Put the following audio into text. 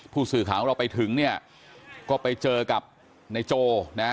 ผู้สื่อข่าวของเราไปถึงเนี่ยก็ไปเจอกับนายโจนะฮะ